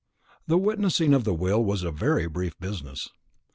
The witnessing of the will was a very brief business.